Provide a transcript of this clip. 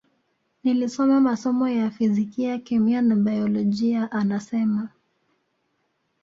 Nilisoma masomo ya fizikia kemia na baiolojia anasema